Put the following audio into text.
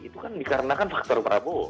itu kan dikarenakan faktor prabowo